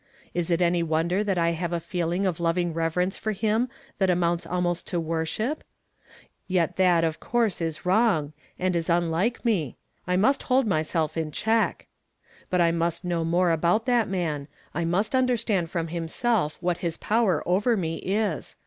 Is it any wonder that I have a feeling of loving reverence for him that amounts 146 YESTERDAY FRAMED IN TO DAY. almost to worship ? Yet that, of course, is wrong, and is unlike me ; I must hold myself in check. But 1 must know more about that man ; I must understand from himself what his power over me is.